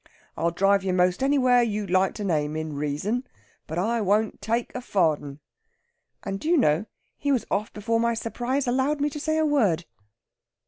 I'll drive you most anywhere you'd like to name in reason, but I won't take a farden.' And, do you know, he was off before my surprise allowed me to say a word."